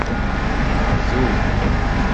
Bdu.